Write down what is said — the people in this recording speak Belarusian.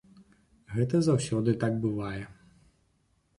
Гэта заўсёды так бывае.